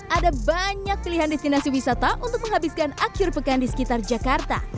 ada banyak pilihan destinasi wisata untuk menghabiskan akhir pekan di sekitar jakarta